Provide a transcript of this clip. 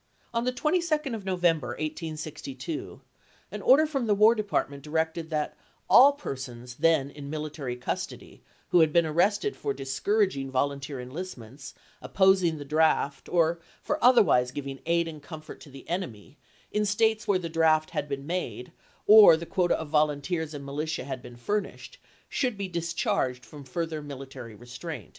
On the 22d of November, 1862, an order from the War . Department directed that all persons then in mili tary custody who had been arrested for discoui ag ing volunteer enlistments, opposing the draft, or for otherwise giving aid and comfort to the enemy, in States where the draft had been made, or the War De C[uota of voluutccrs and militia had been furnished, should be discharged from further military re partmeut, " General Orders," .., No. 193.